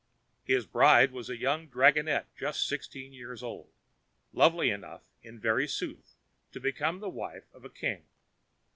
His bride was a young dragonette just sixteen years old—lovely enough, in very sooth, to become the wife of a king.